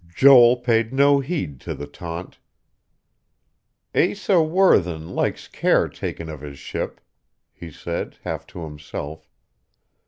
Joel paid no heed to the taunt. "Asa Worthen likes care taken of his ship," he said, half to himself.